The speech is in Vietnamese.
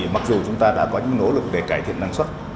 mặc dù chúng ta đã có những nỗ lực để cải thiện năng suất